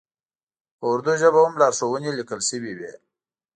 په اردو ژبه هم لارښوونې لیکل شوې وې.